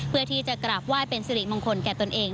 เพื่อที่จะกราบไหว้เป็นสิริมงคลแก่ตนเอง